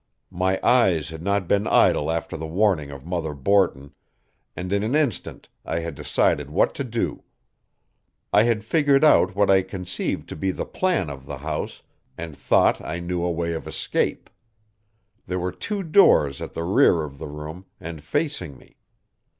My eyes had not been idle after the warning of Mother Borton, and in an instant I had decided what to do. I had figured out what I conceived to be the plan of the house, and thought I knew a way of escape. There were two doors at the rear of the room, and facing me.